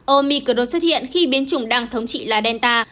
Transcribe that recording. omicros xuất hiện khi biến chủng đang thống trị là delta